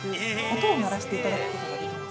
音を鳴らしていただくことができます。